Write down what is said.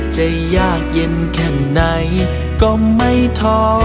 จะยากเย็นแค่ไหนก็ไม่ท้อ